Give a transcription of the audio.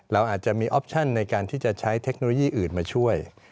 เราอาจจะมีออปชั่นในการที่จะใช้เทคโนโลยีอื่นมาช่วย